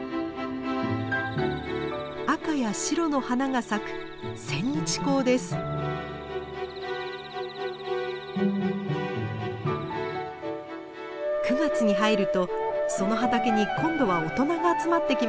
赤や白の花が咲く９月に入るとその畑に今度は大人が集まってきました。